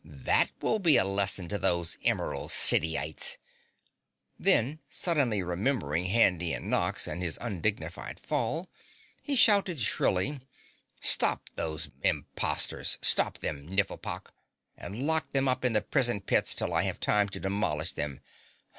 "That will be a lesson to those Emerald City ites!" Then suddenly remembering Handy and Nox and his undignified fall, he shouted shrilly: "Stop those imposters! Stop them, Nifflepok, and lock them up in the prison pits till I have time to demolish them.